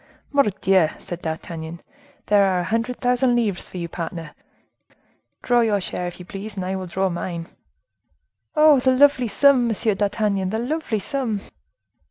"Mordioux!" said D'Artagnan, "there are a hundred thousand livres for you, partner. Draw your share, if you please, and I will draw mine." "Oh! the lovely sum! Monsieur d'Artagnan, the lovely sum!"